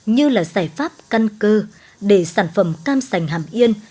như là giải pháp căn cơ để sản phẩm cam sành hàm yên